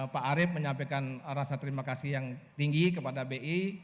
pak arief menyampaikan rasa terima kasih yang tinggi kepada bi